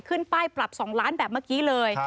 ขึ้นป้ายปรับ๒ล้านแบบเมื่อกี้เลย